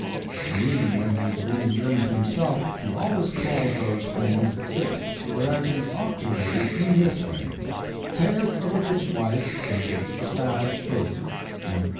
And even when he is reading German to himself, he always calls those things "it," whereas he ought to read in this way: TALE OF THE FISHWIFE AND ITS SAD FATE 2.